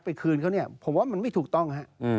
คืนเขาเนี่ยผมว่ามันไม่ถูกต้องฮะ